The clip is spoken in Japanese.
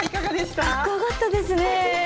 かっこよかったですね。